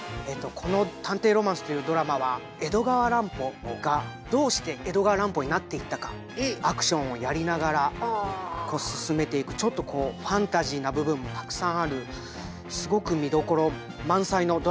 この「探偵ロマンス」というドラマは江戸川乱歩がどうして江戸川乱歩になっていったかアクションをやりながら進めていくちょっとファンタジーな部分もたくさんあるすごく見どころ満載のドラマとなっております。